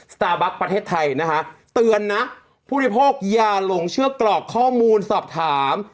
ตาร์บัคประเทศไทยนะคะเตือนนะผู้บริโภคอย่าหลงเชื่อกรอกข้อมูลสอบถาม